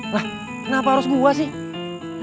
lah kenapa harus gua sih